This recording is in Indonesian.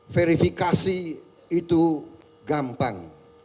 verifikasi itu gampang